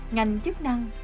ngành chức năng